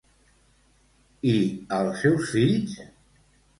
I als seus fills?